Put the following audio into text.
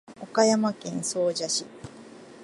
岡山県総社市